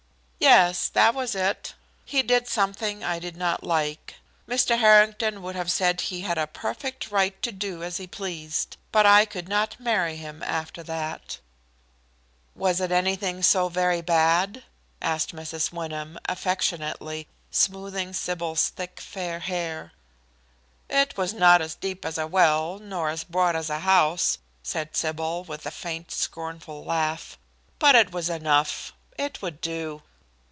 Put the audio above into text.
"Yes, that was it. He did something I did not like. Mr. Harrington would have said he had a perfect right to do as he pleased. But I could not marry him after that." "Was it anything so very bad?" asked Mrs. Wyndham, affectionately, smoothing Sybil's thick fair hair. "It was not as deep as a well, nor as broad as a house," said Sybil, with a faint, scornful laugh; "but it was enough. It would do."